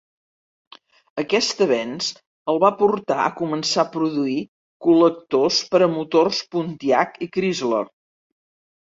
Aquest avenç el va portar a començar a produir col·lectors per a motors Pontiac i Chrysler.